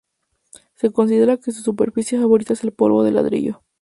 Se considera que su superficie favorita es el polvo de ladrillo.